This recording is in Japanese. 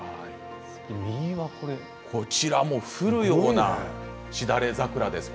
右も降るようなしだれ桜です。